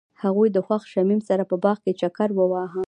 هغوی د خوښ شمیم سره په باغ کې چکر وواهه.